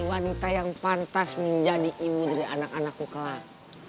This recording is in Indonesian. wanita yang pantas menjadi ibu dari anak anak kuklam